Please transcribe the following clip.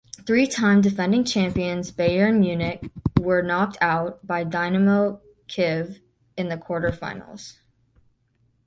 Three-time defending champions Bayern Munich were knocked out by Dynamo Kyiv in the quarter-finals.